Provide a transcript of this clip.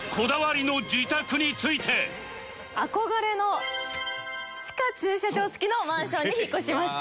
憧れの地下駐車場付きのマンションに引っ越しました。